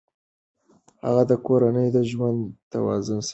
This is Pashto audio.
هغه د کورني ژوند توازن ساتي.